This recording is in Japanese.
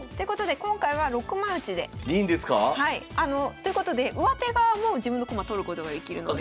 ということで上手側も自分の駒取ることができるので。